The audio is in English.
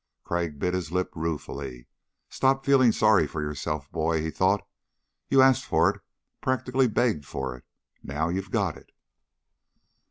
Crag bit his lip ruefully. Stop feeling sorry for yourself, boy, he thought. You asked for it practically begged for it. Now you've got it.